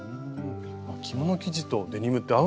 着物生地とデニムって合うんですね。